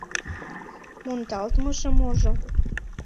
Мондалтмыже-можо...